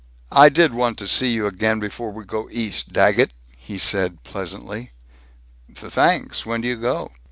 "I did want to see you again before we go East, Daggett," he said pleasantly. "Th thanks. When do you go?"